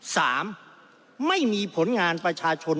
สามไม่มีผลงานประชาชน